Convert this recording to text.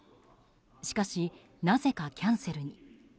しかし、なぜかキャンセルに。